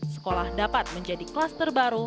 sekolah dapat menjadi kluster baru